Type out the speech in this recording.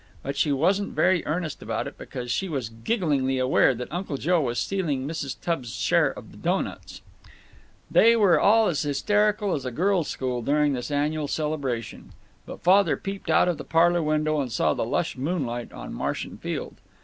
But she wasn't very earnest about it because she was gigglingly aware that Uncle Joe was stealing Mrs. Tubbs's share of the doughnuts. They were all as hysterical as a girls' school during this annual celebration. But Father peeped out of the parlor window and saw the lush moonlight on marsh and field.